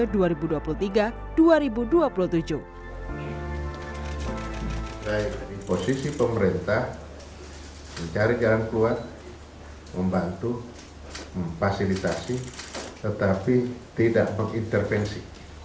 dari posisi pemerintah mencari jalan keluar membantu memfasilitasi tetapi tidak mengintervensi